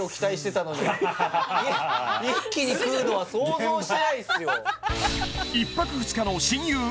一気に食うのは想像してないっすよ